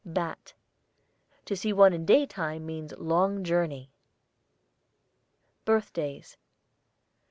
BAT. To see one in day time means long journey. BIRTHDAYS.